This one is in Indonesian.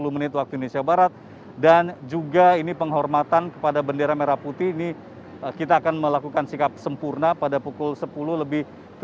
sepuluh menit waktu indonesia barat dan juga ini penghormatan kepada bendera merah putih ini kita akan melakukan sikap sempurna pada pukul sepuluh lebih tiga puluh